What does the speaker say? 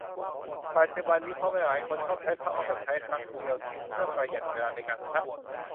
ปัจจุบันนี้พ่อแม่หลายคนชอบใช้ผ้าอ้อมแบบใช้ครั้งเดียวทิ้งเพือประหยัดเวลาในการซัก